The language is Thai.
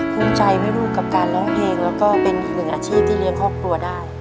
ภูมิใจไหมลูกกับการร้องเพลงแล้วก็เป็นอีกหนึ่งอาชีพที่เลี้ยงครอบครัวได้